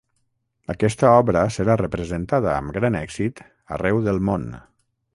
Aquesta obra serà representada amb gran èxit arreu del món.